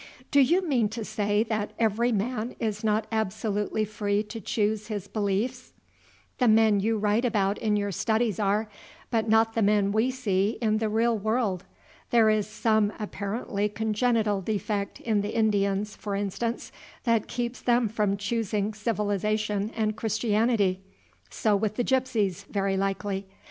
"Do you mean to say that every man is not absolutely free to choose his beliefs?" "The men you write about in your studies are, but not the men we see in the real world. There is some apparently congenital defect in the Indians, for instance, that keeps them from choosing civilization and Christianity. So with the Gypsies, very likely.